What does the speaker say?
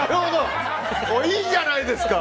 いいじゃないですか！